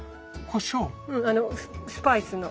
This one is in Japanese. うんあのスパイスの。